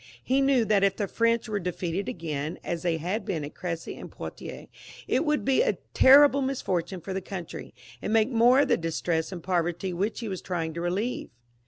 He knew that if the French were defeated again, as they had been at Cressy and Poitiers, it would be a terrible misfortune for the country, and make more of the distress and poverty which he was trying to relieve.